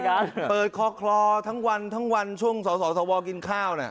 การเปิดคลอทั้งวันช่วงสสสวกินข้าวเนี่ย